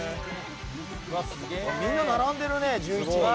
みんな並んでるね、１１人。